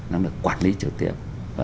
năng lực quản lý trực tiếp